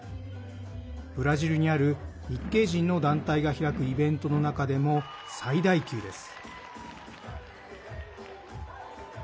ブラジルにある日系人の団体が開くイベントの中でも最大級です。